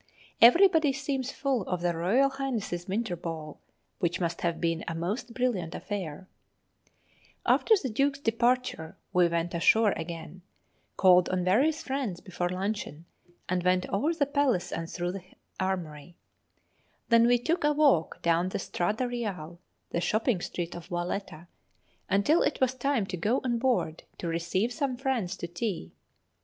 Everybody seems full of their Royal Highnesses' winter ball, which must have been a most brilliant affair. [Illustration: Armoury in the Governor's Palace, Valetta] After the Duke's departure we went ashore again, called on various friends before luncheon, and went over the palace and through the armoury. Then we took a walk down the Strada Reale, the shopping street of Valetta, until it was time to go on board to receive some friends to tea.